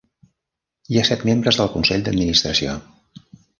Hi ha set membres del consell d'administració.